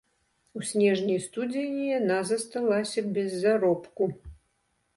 У снежні і студзені яна засталася без заробку.